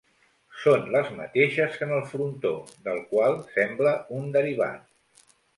Són les mateixes que en el frontó, del qual sembla un derivat.